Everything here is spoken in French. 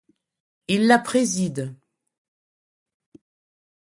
Il la préside.